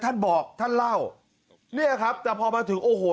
ท่านบอกท่านเล่าเนี่ยครับแต่พอมาถึงโอ้โห